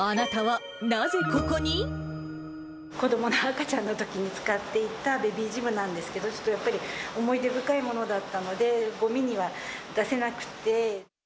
子どもの赤ちゃんのときに使っていたベビージムなんですけど、ちょっとやっぱり思い出深いものだったので、ごみには出せなくて。